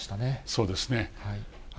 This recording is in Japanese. そうですね。